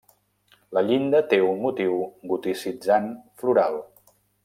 La llinda té un motiu goticitzant floral.